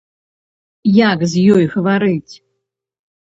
Як з ёй гаварыць?